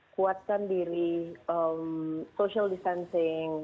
kuatkan diri social distancing